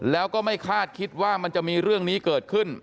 แล้วก็ไม่คาดคิดว่ามันจะมีเรื่องนี้เกิดขึ้น